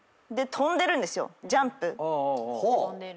跳んでる。